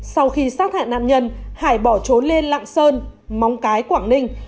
sau khi sát hại nạn nhân hải bỏ trốn lên lạng sơn móng cái quảng ninh